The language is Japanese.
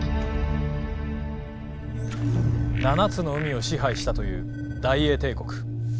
７つの海を支配したという大英帝国。